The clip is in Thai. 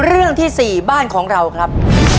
เรื่องที่๔บ้านของเราครับ